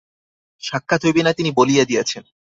সাক্ষাৎ হইবে না তিনি বলিয়া দিয়াছেন।